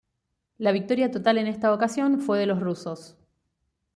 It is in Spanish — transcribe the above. La victoria total en esta ocasión, fue de los rusos.